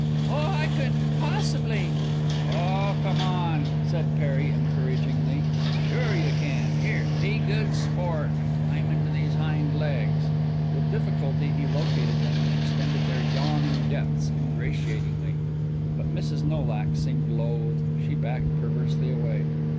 "Oh, I couldn't possibly " "Oh, come on," said Perry encouragingly. "Sure you can! Here! Be good sport, and climb into these hind legs." With difficulty he located them, and extended their yawning depths ingratiatingly. But Mrs. Nolak seemed loath. She backed perversely away.